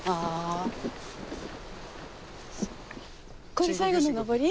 これ最後の登り？